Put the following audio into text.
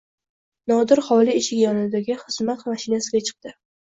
Nodir hovli eshigi yonidagi xizmat mashinasiga chiqdi.